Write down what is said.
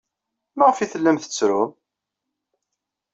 Maɣef ay tellam tettrum?